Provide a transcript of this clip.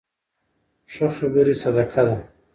ښې خبرې صدقه ده.